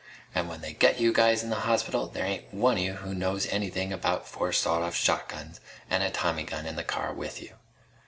And when they get you guys in the hospital there ain't one of you knows anything about four sawed off shotguns and a tommy gun in the car with you.